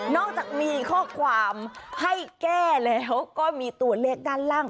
อกจากมีข้อความให้แก้แล้วก็มีตัวเลขด้านล่าง